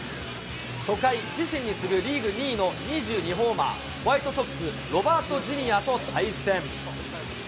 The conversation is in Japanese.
初回、自身に次ぐリーグ２位の２２ホーマー、ホワイトソックス、ロバートＪｒ．と対戦。